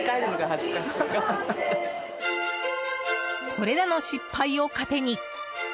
これらの失敗を糧に。